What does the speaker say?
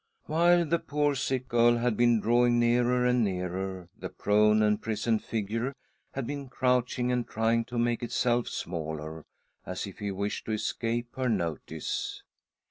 JWhile the poor sick girl had been drawing nearer and nearer, the prone and prisoned figure had been SISTER EDITH PLEADS WITH DEATH 109 crouching and trying to make itself smaller, . as if he wished to escape her notice.